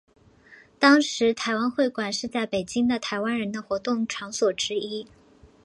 当时台湾会馆是在北京的台湾人的活动场所之一。